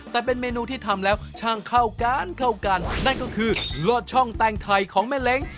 แต่เป็นเมนูที่ทำแล้วช่างเข้ากันเข้ากันนั่นก็คือลอดช่องแตงไทยของแม่เล้ง